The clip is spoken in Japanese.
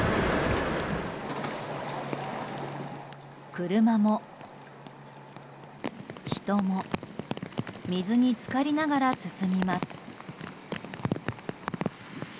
車も人も、水に浸かりながら進みます。